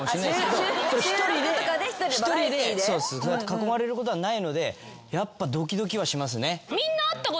囲まれることはないのでやっぱドキドキはしますね。